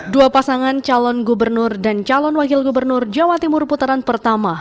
dua pasangan calon gubernur dan calon wakil gubernur jawa timur putaran pertama